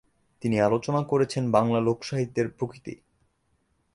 তিনি আলোচনা করেছেন বাংলা লোকসাহিত্যের প্রকৃতি।